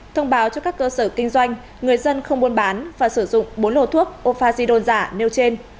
thông báo cho các cơ sở kinh doanh người dân không buôn bán và sử dụng bốn lô thuốc ofacido giả nêu trên